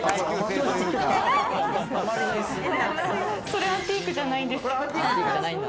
それ、アンティークじゃないんです。